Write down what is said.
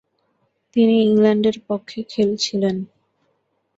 তিনি ইংল্যান্ডের পক্ষে খেলছিলেন।